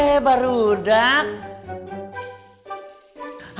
hei baru udah